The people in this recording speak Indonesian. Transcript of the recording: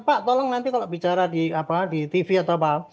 pak tolong nanti kalau bicara di tv atau apa